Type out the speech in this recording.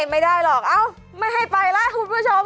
ไม่ได้หรอกเอ้าไม่ให้ไปแล้วคุณผู้ชม